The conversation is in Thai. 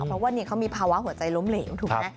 เพราะว่าเขามีภาวะหัวใจล้มเหลวถูกไหม